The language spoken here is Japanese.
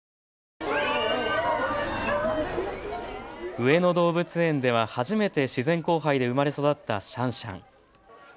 上野動物園では初めて自然交配で生まれ育ったシャンシャン。